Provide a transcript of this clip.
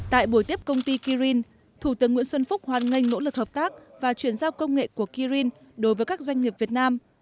tại buổi tiếp công ty kirin thủ tướng nguyễn xuân phúc hoan nghênh nỗ lực hợp tác và chuyển giao công nghệ của kirin đối với các doanh nghiệp việt nam